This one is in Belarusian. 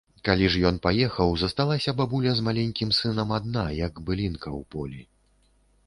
Калі ж ён паехаў, засталася бабуля з маленькім сынам адна, як былінка ў полі.